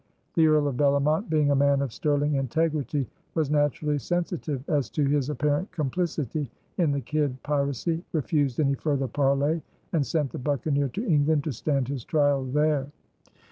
The Earl of Bellomont, being a man of sterling integrity, was naturally sensitive as to his apparent complicity in the Kidd piracy, refused any further parley, and sent the buccaneer to England to stand his trial there.